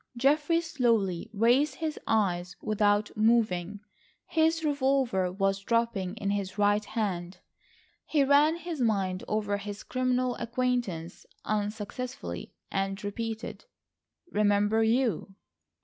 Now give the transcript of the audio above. Geoffrey slowly raised his eyes without moving—his revolver was drooping in his right hand. He ran his mind over his criminal acquaintance unsuccessfully, and repeated: "Remember you?"